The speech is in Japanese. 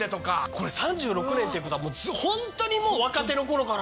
これ３６年っていうことはホントにもう若手の頃から？